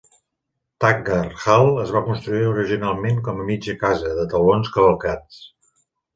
Taggart Hall es va construir originalment com a "mitja casa" de taulons cavalcats.